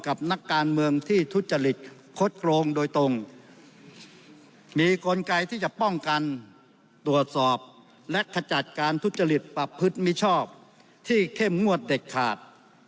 นักการเมืองที่ทุจริตคดโรงโดยตรงมีกลไกที่จะป้องกันตรวจสอบและขจัดการทุจริตประพฤติมิชอบที่เข้มงวดเด็ดขาด